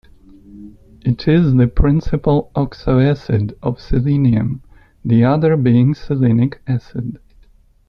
It is the principal oxoacid of selenium; the other being selenic acid.